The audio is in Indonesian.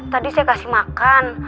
tadi saya kasih makan